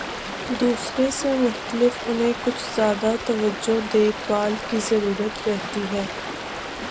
دوسرے سے مختلف، انہیں کچھ زیادہ توجہ، دیکھ بھال کی ضرورت رہتی ہے۔